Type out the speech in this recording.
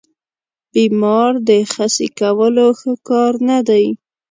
بیمار خسي کول ښه کار نه دی.